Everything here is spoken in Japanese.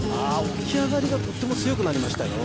起き上がりがとっても強くなりましたよ